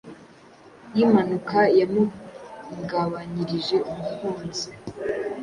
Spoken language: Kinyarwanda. y’impanuka yampungabanyirije umukunzi.